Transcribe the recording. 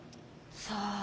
さあ。